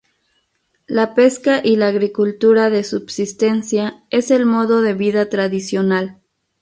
La pesca y la agricultura de subsistencia es el modo de vida tradicional.